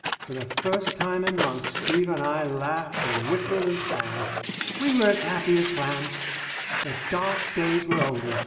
For the first time in months Steve and I laughed and whistled and sang. We were as happy as clams. The dark days were over.